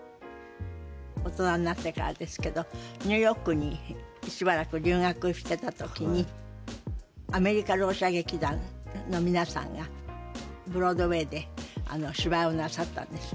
大人になってからですけどニューヨークにしばらく留学してた時にアメリカろう者劇団の皆さんがブロードウェイで芝居をなさったんです。